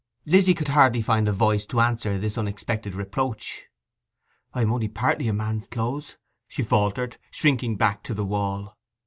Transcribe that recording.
Lizzy could hardly find a voice to answer this unexpected reproach. 'I am only partly in man's clothes,' she faltered, shrinking back to the wall.